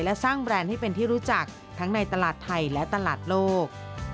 และสร้างแบรนด์ให้เป็นที่รู้จักทั้งในตลาดไทยและตลาดโลก